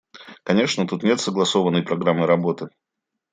Конечно, тут нет согласованной программы работы.